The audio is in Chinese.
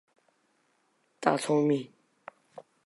小松左京也在大阪盛行的文乐中学习古典艺术相关知识。